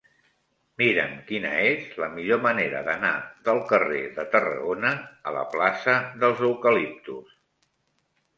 Mira'm quina és la millor manera d'anar del carrer de Tarragona a la plaça dels Eucaliptus.